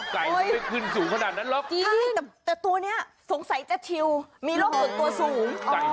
ไก่ไม่ขึ้นสูงขนาดนั้นหรอกจริงแต่ตัวนี้สงสัยจะชิวมีโรคส่วนตัวสูง